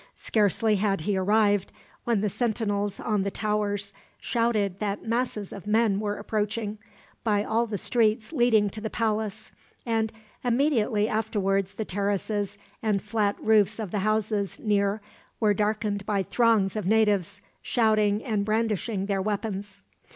Scarcely had he arrived, when the sentinels on the towers shouted that masses of men were approaching, by all the streets leading to the palace; and immediately afterwards the terraces and flat roofs of the houses near were darkened by throngs of natives, shouting and brandishing their weapons.